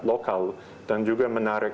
lokal dan juga menarik